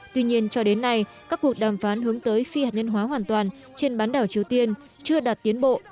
tuy nhiên cho đến nay các cuộc đàm phán hướng tới phi hạt nhân hóa hoàn toàn trên bán đảo triều tiên chưa đạt tiến bộ